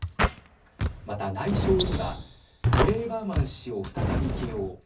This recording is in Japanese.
また、内相にはブレーバーマン氏を再び起用。